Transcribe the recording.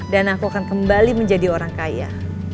dan aku akan kembali menjadi orang kaya